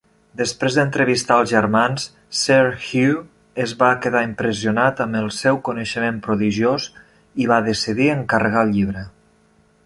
Després d'entrevistar els germans, Sir Hugh es va quedar impressionat amb el seu coneixement prodigiós i va decidir encarregar el llibre.